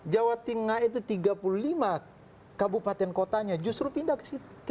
jawa tengah itu tiga puluh lima kabupaten kotanya justru pindah ke situ